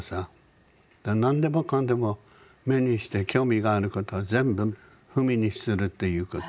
何でもかんでも目にして興味があることは全部文にするっていうこと。